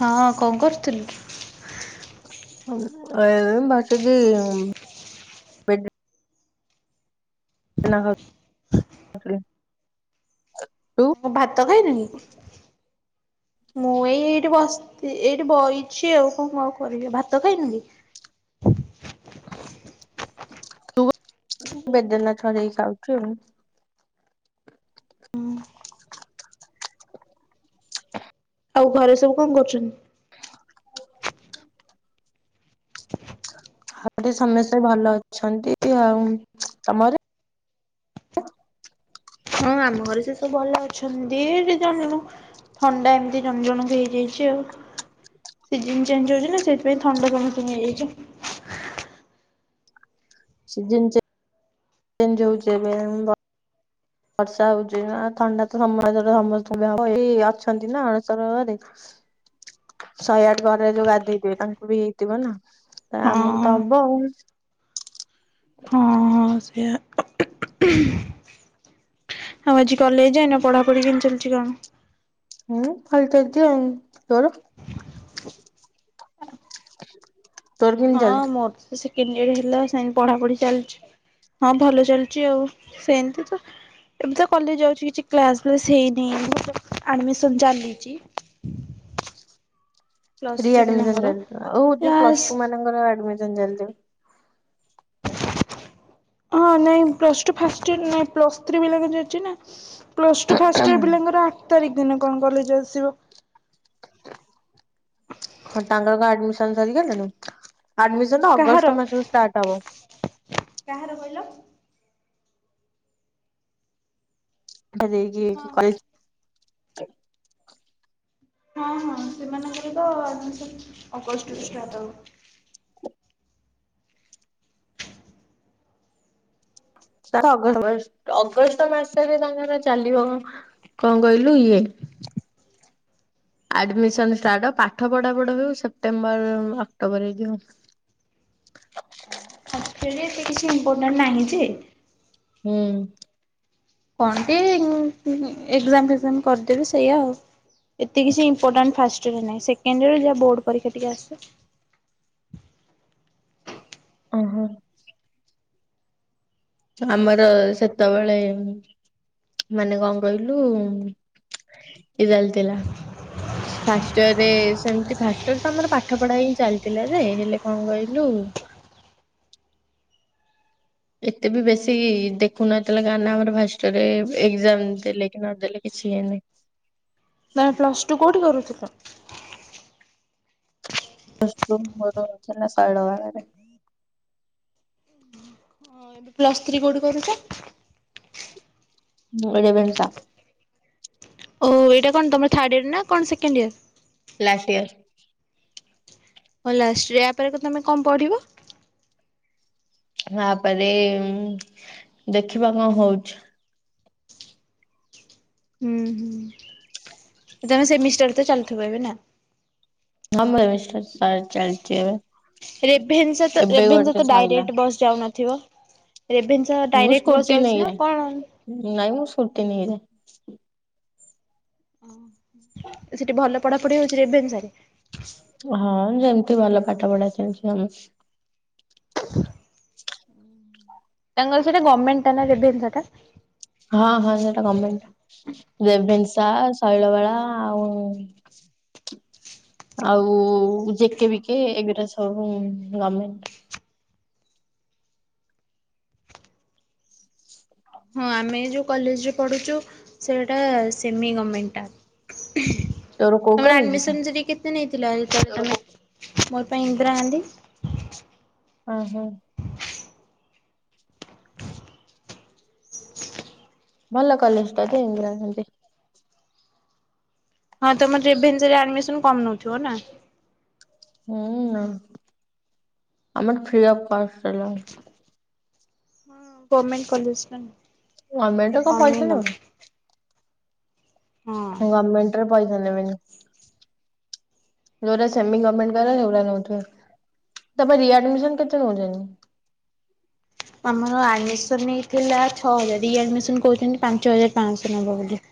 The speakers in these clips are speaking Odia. ହଁ କଣ କରୁଥିଲୁ। ଏ ବସୀ କି। [unintelligible] ତୁ ମୁଁ ଭାତ ଖାଇଲି। [inaudible] ମୁଁ ଏଇ ଏଇଠି ବସି ଏଇଠି ବହିଛି ଆଉ କଣ କଣ କରିବି ଭାତ ଖାଇନି କି। ତୁ ବେଦନାଥ ହରେଇ ଖାଉଛୁ ଉ। ଆଉ ଘରେ ସବୁ କଣ କରୁଛନ୍ତି? ହରେ ସମସ୍ତେ ଭଲ ଅଛନ୍ତି ଆଉ ତମର। ହଁ ଆମ ଘରେ ସେ ସବୁ ଭଲ ଅଛନ୍ତି ଜାଣିନୁ। ଥଣ୍ଡା ଏମିତି ଜଣ ଜଣଙ୍କୁ ହେଇଯାଇଛି ଆଉ। ସିଜନ ଚେଞ୍ଜ ହଉଛି ନା ସେଥିପାଇଁ ଥଣ୍ଡା ସମସ୍ତଙ୍କୁ ହେଇଯାଇଛି। ସିଜନ ଛୁ ଏବେ ବର୍ଷା ହଉଛି ନା ଥଣ୍ଡା ତ ସମୟ ସମସ୍ତ ଏଇ ଅଛନ୍ତି ନା ଅଣଶରରେ। ଶହେ ଆଠ ଘରେ ଯୋଉ ଗାଧେଇଥିବେ ତାଙ୍କୁ ବି ହେଇଥିବ ନା ଆମକୁ ହଁ ତ ହବ ଆଉ। ହଁ ହଁ ସେ ଆଉ ଆଜି କଲେଜ ଯାଇନ ପଢା ପଢି ଚାଲିୁଛି କଣ? ହୁଁ ହଲତାଇତି ତୋର? ତୋର କେମିତି ହଁ ଚାଲିଛି? ମୋର ତ ସେକେଣ୍ଡ ଇୟର ହେଲା ସେମତି ପଢା ପଢି ଚାଲିଛି। ହଁ ଭଲ ଚାଲିଛି ଆଉ ସେମିତି ତ ଏମିତି ତ କଲେଜ ଯାଉଛି କିଛି କ୍ଲାସ ବ୍ଲାସ୍ ହେଇନି ମୁଁ ଆଡମିସନ ଚାଲିଛି। ପ୍ଲସ୍ ରି ଥ୍ରୀ ଆଡ୍ମିଶନ ପିଲାଙ୍କର ଚାଲିଛି ଆଉ ହଉ କ୍ଲାସ୍ ପ୍ଲଟୁ ମାନଙ୍କର ଆଡମିଶନ ଚାଲିଛି। [inaudible] ହଁ ନାଇଁ ପ୍ଲସ ଟୁ ଫାଷ୍ଟ ଇଅର୍ ନାଇ ପ୍ଲସ ଥ୍ରି ପିଲାଙ୍କର ଅଛି ନା। ପ୍ଲସ୍ ଟୁ ଫାଷ୍ଟ ଇୟର ପିଲାଙ୍କର ଆଠ ତାରିଖ ଦିନ କଣ କଲେଜ ଆସିବ? ହଁ ତାଙ୍କର ଆଡମିସନ ସରିଗଲେଣି ଆମିନ କାହାର? ଅଗଷ୍ଟ ମାସରୁ ଷ୍ଟାର୍ଟ ହବ। କାହାର କହିଲ? ଏଟା ଦେଇକି ହଁ ଯାଇଛି କଲେଜ। ହଁ ହଁ ସେମାନଙ୍କର ତ ଅଗଷ୍ଟ ଷ୍ଟାର୍ଟ ହବ। ଅଗଷ୍ଟ ମାସରେ ତାଙ୍କର ଚାଲିବ। କଣ କହିଲୁ ଇଏ? ଆଡମିସନ ଷ୍ଟାର୍ଟ ପାଠ ପଢାପଢା ହଉ ସେପ୍ଟେମ୍ବର ଅକ୍ଟୋବର ହେଇଯିବ। ହଷ୍ଟେଲରେ ଏତେ କିଛି ଇମ୍ପୋର୍ଟାଣ୍ଟ ନାହିଁ ଯେ ହୁଁ। କଣନ୍ତି ଏକ୍ଜାମ ଫକ୍ସାମ କରିଦେବି ସେଇଆ ଆଉ। ଏତେ କିଛି ଇମ୍ପୋଟାଣ୍ଟ ଫାଷ୍ଟ ରେ ନାହିଁ ସେକେଣ୍ଡ ରେ ଯାହା ବୋର୍ଡ ପରୀକ୍ଷା ଟିକେ ଅଛି। ଉଁ ହୁଁ। ଆମର ସେତେବେଳେ ମାନେ କଣ କହିଲୁ କି ଚାଲିଥିଲା? ଫାଷ୍ଟ ଇୟରରେ ସେମିତି ଫାଷ୍ଟ ଇୟର ତମର ପାଠ ପଢା ହିଁ ଚାଲିଥିଲା ଯେ ହେଲେ କଣ କହିଲୁ? ଏତେ ବି ବେଶୀ ଦେଖୁନାହାଥିଲା କାଁ ଆମର ଭାଷ୍ଟରେ ଏକ୍ଜାମ ଦେଲେ କି ନ ଦେଲେ କିଛି ହେଇନିଁ। ନାଇ ପ୍ଲସ୍ ଟୁ କଉଠି କରୁଥିଲ? ମର ନା ସାଇଳ ବାଳାରେ। ଏବେ ପ୍ଲସ୍ ଥ୍ରୀ କୋଉଠି କରୁଛ? ମୁଁ ରେଭେନ୍ସା। ଓ ଏଇଟା କଣ ତମ ଥାର୍ ୟର ନା କଣ ସେକେଣ୍ଡ ଇୟର? Last year. ହଁ ଲାଷ୍ଟ ଇୟର ଆ ପରେ ତମେ କଣ ପଢିବ? ତାପରେ ଦେଖିବା କଣ ହଉଛି? ହୁଁ ହୁଁ ତମେ ସେମିଷ୍ଟାର ତ ଚାଲିଥିବ ଏବେ ନା? ହଁ ମୁଁ ସେମିଷ୍ଟାର ଚାଲିଛି ଏବେ। ରେଭେନ୍ସା ତ ଏବେ ରେଭେନ୍ସା ଗୋଟେ ତ ସଇଲା ଡାଇରେକ୍ଟ ବସ୍ ଯାଉନଥିବ ରେଭେନ୍ସା ସହ ମୁଁ ଡାଇରେକ୍ଟ ବସ ସ୍କୁଟି ଯାଉଛି ନା ନେଇଯାଏ କଣ? ନାଇଁ ମୁଁ ଛୁଟି ନେଇଯାଏ। ସେଠି ଭଲ ପଢା ପଢି ହଉଛି ରେଭେନ୍ସା ସାରେ? ହଁ ଯେମତି ଭଲ ପାଠ ପଢା ସେମିତି। ତାଙ୍କର ସେଇଟା ଗର୍ମେଣ୍ଟ ଟା ନା ରେଭେନ୍ସା ଟା? ହଁ ହଁ ସେଇଟା ଗମେଣ୍ଟ। ରେଭେନ୍ସା ଶୈଳବାଳା ଆଉ ଆଉ ଜିକେ ବିିକେ ଏଗୁଡା ସବୁ ଗମେଟ୍। ହଁ ଆମେ ଏ ଯୋଉ କଲେଜରେ ପଢୁଛୁ ସେଇଟା ସେମି ଗମେଣ୍ଟ ଟା। ତୋର କୋଉ ତମର କଲେଜ କି? ଆଡମିସନ ଯଦି କେ [unintelligible] ନେଇଥିଲ [unintelligible] ମୋର ପା ଇନ୍ଦିରା ଗାନ୍ଧୀ। ଓ ହଁ। ଭଲ କଲେଜ ଟା ଯେ ଇନ୍ଦିରାଗାନ୍ଧୀ। ହଁ ତମେ ରିଭେନସାରେ ଆଡମିସନ କରୁ ନଥିବ ନା। ମୁଁ ନା ଆମର ଫ୍ରି ଅଫ କଷ୍ଟ ହେଲାନି। ଗମେଣ୍ଟ କଲେଜ ନ। ଗମେଟରେ କଣ ପଇସ ନେବେ। ହଁ ଗମେଣ୍ଟରେ ପାଇସା ନେବେନି। ଯୋଉରା ସେମି ଗମେଣ୍ଟ ଦ୍ୱାରା ସେଉଡା ନୋଉଥିବେ। ତମ ରିଆଡମିସନ କେତେ ନଉଚନ୍ତି? ଆମର ଆଡ଼ମିସନ ହେଇଥିଲା ଛଅ ହଜାର ରି ଆଡ଼ମିସନ କହୁଛନ୍ତି ପାଞ୍ଚ ହଜାର ପାଶହ ନେବ ବୋଲି।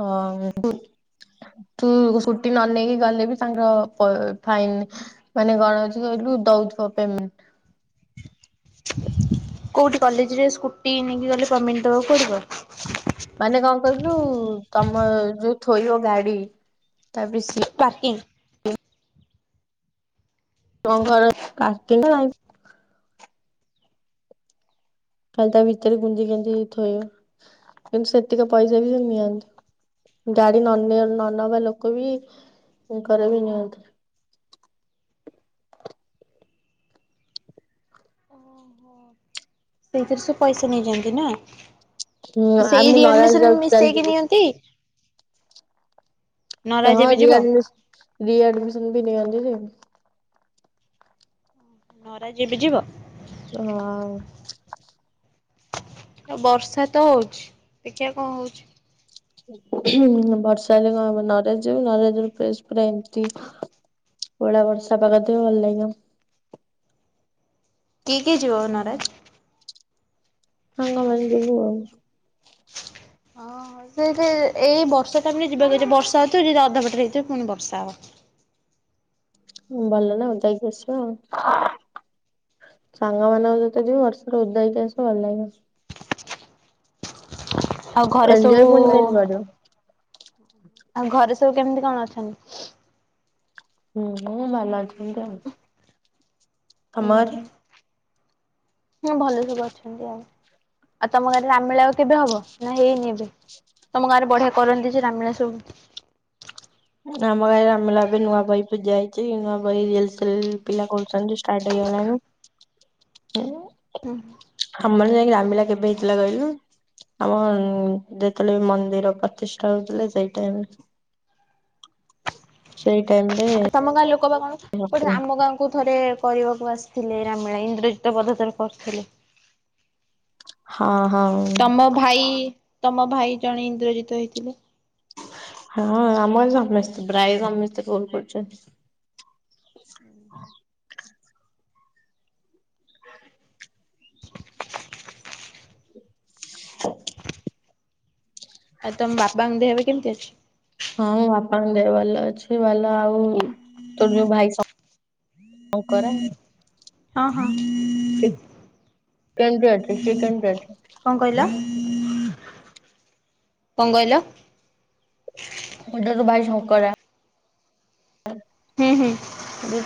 ହଁ [unintelligible] ତୁ ସ୍କୁଟି ନ ନେଇକି ଗଲେ ବି ତାଙ୍କ ପ ଫାଇନ୍। ମାନେ ଗଣ ଅଛି କହିଲୁ ଦଉଥିବ ପେମେଣ୍ଟ। କୋଉଠି କଲେଜରେ ସ୍କୁଟି ନେଇକି ଗଲେ ସମିନ ଦବାକୁ ପଡିବ। ମାନେ କଣ କିହିିଲୁ ତମ ଯୋଉ ଥୋଇବ ଗାଡି ତାପରେ ସି ପାର୍କିଂ [unintelligible] [unintelligible] ଖାଲି ତା ଭିତରେ ଗୁଞ୍ଜି ଗାଞ୍ଜି ହେଇକି ଥୋଇବା କିନ୍ତୁ ସେତିକ ପଇସା ବି ସେ ନିଅନ୍ତି। ଗାଡି ନନିଅ ନ ନେବା ଲୋକ ବି ଘରେ ବି ନିଅନ୍ତି। ଓହୋ ସେଇଥିରେ ସେ ପଇସା ନେଇଯାନ୍ତି ନା। ହୁଁ ଆଉ ସେଇ ମୁଁ ନରାଜ ରିଆଡମିସନ ଯାଉଛି ଚାଲ ମିସେଇକି ଯିବୁ ନିଅନ୍ତି। ନରାଜ ହଁ ଏବେ ଯିବ ରିଆଡମିସ ରିଆଡମିସନ୍ ବି ନିଅନ୍ତି ଯେ। ନରାଜ ଏବେ ଯିବ [unintelligible] [inaudible] ବର୍ଷା ତ ହଉଛି ଦେଖିଆ କଣ ହଉଛି। ବର୍ଷା ହେଲେ କଣ ହବ ନରାଜ ଯିବୁ ନରାଜ ରୁ ଫେସ୍ ପୁରା ଏମିତି ପଳା ବର୍ଷା ପାାଗ ଥିବ ଭଲ ଲାଗିବ। କିଏ କିଏ ଯିବ ନରାଜ? ସାଙ୍ଗମାନେ ଜିବୁ ଆଉ। ହଁ ସେଇ ଏଇ ଏଇ ବର୍ଷା ଟାଇମ ରେ ଯିବା କଥା ନୁହେଁ ବର୍ଷା ହଉଥିବ ଯିଏ ଅଧା ବାଟରେ ହେଇଥିବ ପୁଣି ବର୍ଷା ହବ। ଭଲ ନା ଆଉ ଓଦା ହେଇକି ଆସିବା ଆଉ। ସାଙ୍ଗ ମାନଙ୍କ ସହିତ ଯିବୁ ବର୍ଷାରେ ଓଦାହେଇକି ଆସିବୁ ଭଲ ଲଗିବ। ଆଉ ଘରେ ଏଞ୍ଜୟ ସବୁ ପୁଣି କେମିତି କରିବୁ। ଆଉ ଘରେ ସବୁ କେମିତି କଣ ଅଛନ୍ତି? ହୁଁ ହୁଁ ଭଲ ଅଛନ୍ତି ଆଉ। ଉଁ ତମ ଘରେ। ହୁଁ। ହଁ ଭଲ ସବୁ ଅଛନ୍ତି ଆଉ ଆଉ ତମ ଘରେ ରାମେଳା ଆଉ କେବେ ହବ ନା ହେଇନି ଏବେ। ତମ ଗାଁରେ ବଢିଆ କରନ୍ତି ଯେ ରାମେଳା ସବୁ। ଆମ ଗାଁରେ ରାମ ମେଲା ବହି ନୂଆ ବହି ପୂଜା ହେଇଛି ନୂଆ ବହି ରିୟଲ ସିହଲ ପିଲା କରୁଛନ୍ତି ଷ୍ଟାର୍ଟ ହେଇଗଲାଣି। ଉଁ ଉଁହୁଁ ଆମାର ଯାଇକି ରାମମେଲା କେବେ ହେଇଥିଲା କହିଲୁ? ଆମ ଉଁ ଯେତେବେଳେ ମନ୍ଦିର ପ୍ରତିଷ୍ଠା ହେଉଥିଲେ ସେଇ ଟାଇମ୍ ରେ। ସେଇ ଟାଇମ ରେ ଆଉ ତମ ଗାଁ ଲୋକ ବା କଣ କୋଠି ହଁ ଆମ ଗାଁକୁ ଥରେ କରିବାକୁ ଆସିଥିଲେ ରାମଲୀଳା ଇନ୍ଦ୍ରଜିତ ବଧ ଥରେ କରିଥିଲେ। ହଁ ହଁ। ତମ ଭାଇ, ତମ ଭାଇ ଜଣେ ଇନ୍ଦ୍ରଜିତ ହେଇଥିଲେ। ହଁ ଆମର ସମସ୍ତେ ବ୍ରାୟ ସମସ୍ତେ ଭୁଲ କରୁଛନ୍ତି। ହୁଁୁ [inaudible] ଆଉ ତମ ବାପାଙ୍କଙ ଦେହ ହେବେ କେମିତି ଅଛି? ହଁଁ ବାପାଙ୍କ ଦେହ ଭଲ ଅଛି ଭଲ ଆଉ ତୋର ଯୋଉ ଭାଇ ଆଉ କର। ଓଁହଁ। କେମିତି ଅଛି ସେ କେମିତି ଅଛି? କଣ କହିଲ? କଣ କହିଲ? ମୋଟା ତ ଭାଇ ଶଙ୍କରା। ହୁଁ ହୁଁ ହୁଁ।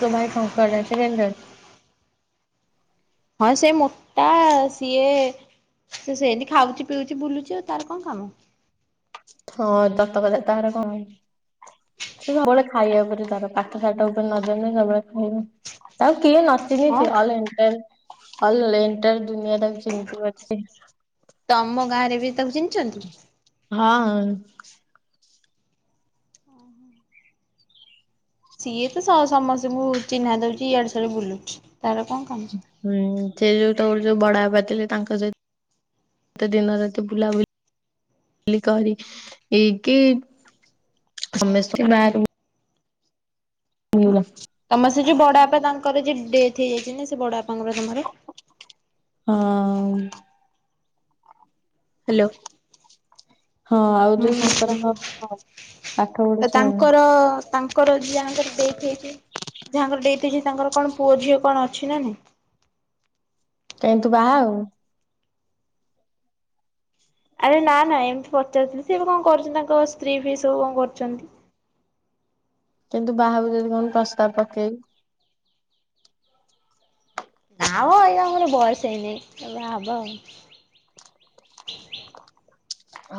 ତୁ ଭାଇ କଙ୍କଡ଼ା ନା ସେ [unintelligible] ହଁ ସେ ମୋଟା ସିଏ ସେ ସେମିତି ଖାଉଛି ପିଉଛି ବୁଲୁଛି ଆଉ ତାର କଣ କାମ। ହଁ ଦତ କଥା ତାର କଣ ହେଇଛି? ସେ ସବୁବେଳେ ଖାଇବା ଉପରେ ତାର ପାଠସାଠ ଉପରେ ନଜର ନାହିଁ ସବୁବେଳେ ଖାଇବା ତାକୁ କିଏ ନ ହଁ ଚିହ୍ନିଚି ଅଲ ଏଣ୍ଟାର ଅଲ ଏଣ୍ଟାର ଦୁନିଆ ତାକୁ ଚିହ୍ନିକି ବସିଛି। ତମ ଗାଁ ରେ ବି ତାକୁ ଚିହ୍ନିଛନ୍ତି। ହଁ। [inaudible] ସିଏ ତ ସମସ୍ତଙ୍କୁ ଚିହ୍ନା ଦେଉଛି ଇଆଡେ ସଆଡେ ବୁଲୁଛି ତାର କଣ କାମ। ହୁଁ ସେ ଯୋଉ ତୋର ଯୋଉ ବଡବାପା ଥିଲେ ତାଙ୍କ ସହିତ ତ ଦିନରାତି ବୁଲାବୁଲିୁ କରିକି ସମସ୍ତେ ବାହାରେ [unintelligible] ତମର ସେ ଯୋଉ ବଡବାପା ତାଙ୍କର ଯଉ ଡେଥ୍ ହେଇ ଯାଇଛି ନା ସେ ବଡ ବାପା ହଁ। ହ୍ୟାଲୋ। ହଁ ଆଉ ଯୋଉ ଶଙ୍କରାଙ୍କ ହୁଁ ପାଠ ତ ପଢୁଛି ଆଉ। ତାଙ୍କର ତାଙ୍କ ଙ୍କର ଯାହାଙ୍କର ଡେଥ ହେଇଛି ଯାହାଙ୍କର ଡେଥ ହେଇଛି ତାଙ୍କର କଣ ପୁଅଝିଅ କଣ ଅଛି ନାଇଁ? କାଇଁ ତୁ ବାହା ହବୁ? ଆରେ ନା ନା ଏମିତି ପଚାରୁଥିଲି ସେ ଏବେ କଣ କରୁଛନ୍ତି ତାଙ୍କ ସ୍ତ୍ରୀ ଫି ସବୁ କଣ କରୁଛନ୍ତି? କିନ୍ତୁ ବାହାଘକୁ ଯଦି କହୁନୁ ପ୍ରସ୍ତାବ ପକେଇବି। ନା ବ ଏଇନା ମୋର ବୟସ ହେଇନି ବା ହବା ଆଉ।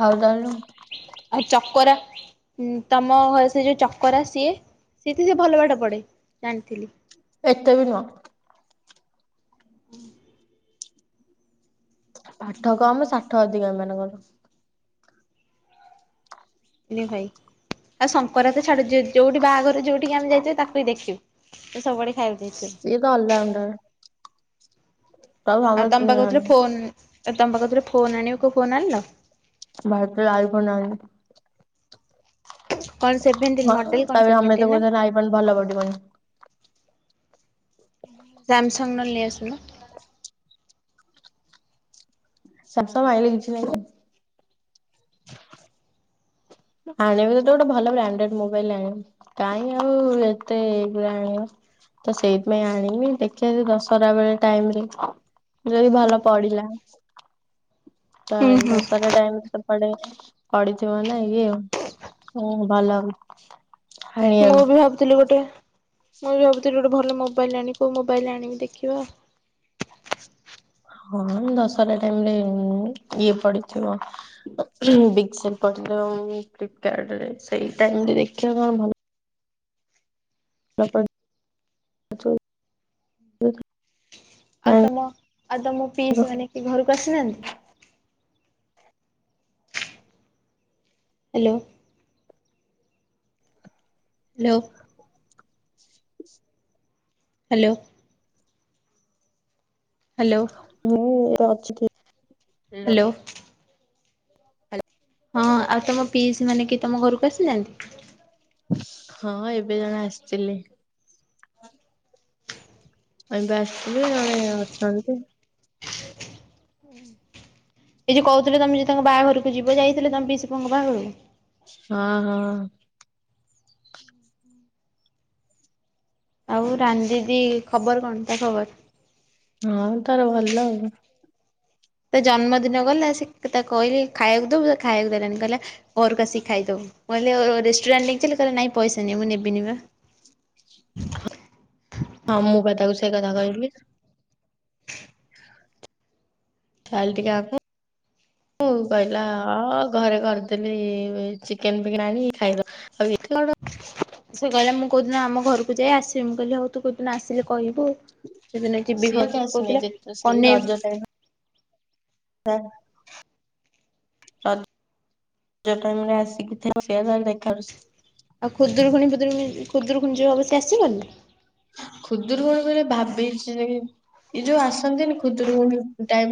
ହଉ ତାହେଲେ। ଆଉ ଚକରା। ଉଁ ତମ ଘରେ ସେ ଯୋଉ ଚକରା ସିଏ ସେଠି ସେ ଭଲ ପାଠ ପଢେ ଜାଣିଥିଲି। ଏତେ ବି ନୁହଁ। ପାଠ କମ ସାଠ ଅଧିକ ଏମାନଙ୍କର। ନେ ଭାଇ ଆଉ ଶଙ୍କରାତ ଛାଡ ଯେ ଯୋଉଠି ବାହାଘର ଯୋଉଠିକି ଆମେ ଯାଇଥିବୁ ତାକୁ ଇ ଦେଖିବୁ। ସେ ସବୁଆଡେ ଖାଇଆକୁ ଯାଇଥିବ। All rounder. ଆଉ ତମେ ପାକହୁଥିଲ ଫୋନ୍, ଆ ତମେ ପା କୋହୁଥିଲ ଫୋନ୍ ଆଣିବ କୋଉ ଫୋନ୍ ଆଣିଲ? ଭାବୁଚି ଆଇ ଫୋନ୍ ଆଣିବି। କଣ ସେବେନ ହଁ ତାପରେ ହମତେ କହୁଛନ୍ତି ଆାଇ ପନ ଭଲ ପଡିବନି। ସ୍ୟାମସଙ୍ଗ ନହେଲେ ନେଇ ଆସୁନ। ସାମସଙ୍ଗ ଆଇଁଲେ କିଛି ନାଇଁଯେ। ଆଣିବି ତ ତ ଗୋଟେ ଭଲ ବ୍ରାଣ୍ଡେଡ ମୋବାଇଲ ଆଣିବ କାହିଁ ଆଉ ଏତେ ଏଇଗୁରା ଆଣିବ। ତ ସେଇଥିପାଇଁ ଆଣିବି ଦେଖିବା ଦଶରା ବେଳେ ଟାଇମରେ। ଯଦି ଭଲ ପଡ଼ିଲା। ତ ହୁଁ ହୁଁ ଦଶରା ଟାଇମ ସେପଡେ ପଡିଥିବ ନା ଇଏ ହୁଁ ଭଲ ଲାଗୁ ମୁଁ ବି ଭାବୁଥିଲି ଗୋଟେ ମୁଁ ବି ଭାବୁଥିଲି ଗୋଟେ ଭଲ ମୋବାଇଲ ଆଣିବି। କୋଉ ମୋବାଇଲ ଆଣିବି ଦେଖିବା। ହଁ ଦଶହରା ଟାଇମ ରେ ଇଏ ପଡିଥିବ। ଡିକ୍ସଲ ପଡିଲେ ଫିଲପିକାଡରେ ସେଇ ଟାଇମରେ ଦେଖିବା କଣ ଭଲ [unintelligible] ଆଉ ତମ ଆ ତମ ପିଇସି ମାନେ କେଇ ଘରକୁ ଆସିନାହାନ୍ତି। ହାଲୋ ଲୋ [inaudible] ହାଲୋ। ହାଲୋ। [unintelligible] ହାଲୋ। ହା ହଁ ଆଉ ତମ ପିଇସି ମାନେ କି ତମ ଘରକୁ ଆସିନାନ୍ତି? ହଁ ଏବେ ଜଣେ ଆସଥିଲେ। ଅବିକା ଏବେ ଆସଥିଲେ ଜଣେ ଅଛନ୍ତି। ଏ ଯୋଉ କହୁଥିଲେ ତମେ ଯି ତାଙ୍କ ବାହାଘରକୁ ଯିବ ଯାଇଥିଲ ତମ ପିସିସି ପୁଅ ବାହାଘରକୁ? ହଁ ହଁ। ଆଉ ରାଣୀ ଦିଦି ଖବର କଣ ତା ଖବର? ହଁ ତାର ଭଲ ଆଉ। ତା ଜନ୍ମଦିନ ଗଲା ସେ କ ତା କହିଲି ଖାଇଆକୁ ଦବୁ ଖାଇଆକୁ ଦେଲାନି କହିଲା ଘରକୁ ଆଶିକି ଖାଇଦବୁ, କହିଲ ଅଉ ରେଷ୍ଟୁରାଣ୍ଟ ନେଇ କି ଚାଲ କହିଲା ନାଇଁ ପଇସା ନାଇଁ ମୁଁ ନେବିନି ବା। ହଁ, ମୁଁ ପା ତାକୁ ସେ କଥା କହିଲି। କାଲି ଟିକେ କହିଲା ହଁ ଘରେ କରିଦେଲିି ଚିକେନ ଫିକେନ୍ ଆଣିକି ଖାଇଦେବୁ। [inaudible] ସେ କହିଲା ମୁଁ କଉଦିନ ଆମଘରକୁ ଯାଏ ଆସିବୁ। ମୁଁ କହିଲି ତୁ କୋଉ ଦିନ ଆସିଲେ କହିବୁ। ସେଦିନ ଯିବି ସିଏ କହୁ କ୍ୟାସ କହୁଥିଲେ ନେଇ ସେଇ ପନିର ହଁ। ରଜ ଟାଇମରେ ଆଉ ଖୁଦରୁକୁଣି ଫୁଦୁରୁକୁଣୀ ଖୁଦୁରୁକୁଣୀ ଯୋଉ ହବ ସେ ଆସିବନି? [inaudible]